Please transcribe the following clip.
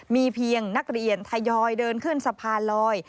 มีเพียงนักเรียนทยอยเดินขึ้นสะพานลอย